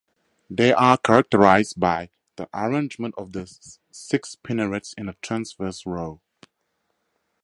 They are characterized by the arrangement of their six spinnerets in a transverse row.